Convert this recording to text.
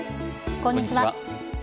こんにちは。